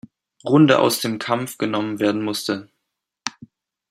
Runde aus dem Kampf genommen werden musste.